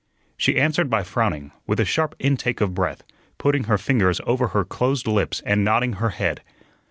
She answered by frowning, with a sharp intake of breath, putting her fingers over her closed lips and nodding her head.